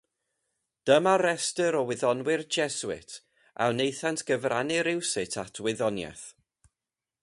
Dyma restr o wyddonwyr Jeswit, a wnaethant gyfrannu rywsut at wyddoniaeth.